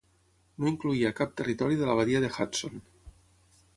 No incloïa cap territori de la Badia de Hudson.